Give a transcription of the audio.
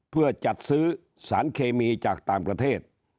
เพื่อจัดซื้อสารเคมีจากต่างประเทศ